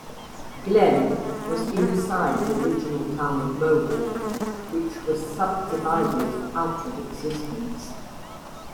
Glen was inside the original Town of Mohawk, which was subdivided out of existence.